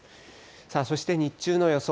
さあ、そして日中の予想